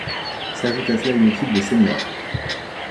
S'ajoute à cela une équipe de senior.